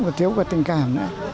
vừa thiếu về tình cảm